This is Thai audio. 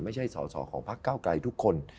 ไม่ใช่ส่อของภาคเก้าไกรทุกคน